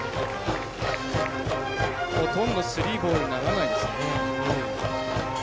ほとんどスリーボールにならないですね。